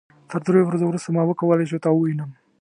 تر دریو ورځو وروسته ما وکولای شو تا ووينم.